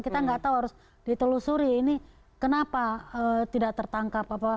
kita nggak tahu harus ditelusuri ini kenapa tidak tertangkap